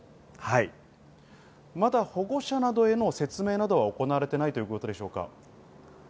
まだ保護者などへの説明などは行われていないということでしょうか？